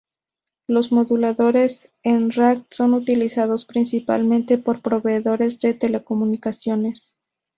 Los moduladores en "rack" son utilizados principalmente por proveedores de telecomunicaciones.